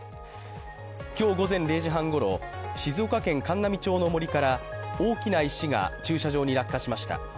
今日午前０時半ごろ、静岡県函南町の森から大きな石が駐車場に落下しました。